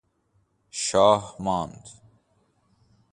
شاه ماند